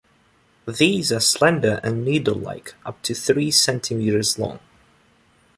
These are slender and needle-like, up to three centimetres long.